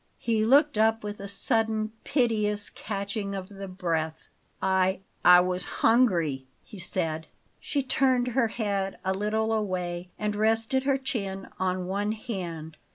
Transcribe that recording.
He looked up with a sudden, piteous catching of the breath. "I I was hungry," he said. She turned her head a little away and rested her chin on one hand.